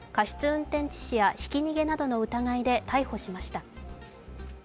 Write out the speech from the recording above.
運転致死やひき逃げなどの疑いで逮捕しました。